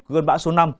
của cơn bão số năm